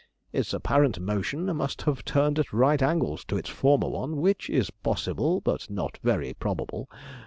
Its apparent motion must have turned at right angles to its former one, which is possible, but not very probable.